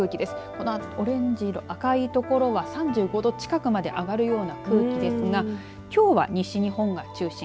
このオレンジ色赤い所は３５度近くまで上がるような空気ですがきょうは西日本が中心。